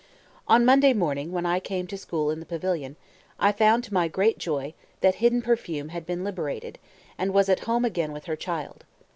On Monday morning, when I came to school in the pavilion, I found, to my great joy, that Hidden Perfume had been liberated, and was at home again with her child.